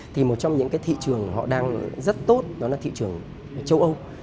thì một trong những cái thị trường họ đang rất tốt đó là thị trường châu âu